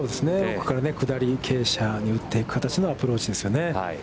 奥から下り傾斜に打っていく形のアプローチですよね。